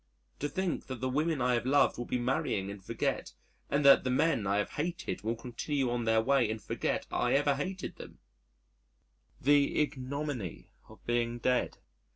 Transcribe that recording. To think that the women I have loved will be marrying and forget, and that the men I have hated will continue on their way and forget I ever hated them the ignominy of being dead!